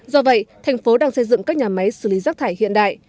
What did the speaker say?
do vậy thành phố đang xây dựng các nhà máy xử lý rác thải hiện đại